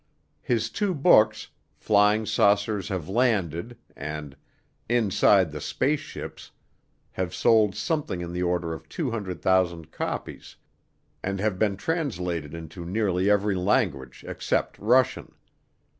His two books Flying Saucers Have Landed and Inside the Space Ships have sold something in the order of 200,000 copies and have been translated into nearly every language except Russian.